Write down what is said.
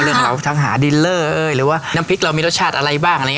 เรื่องของเราทั้งหาดีลเลอร์หรือว่าน้ำพริกเรามีรสชาติอะไรบ้าง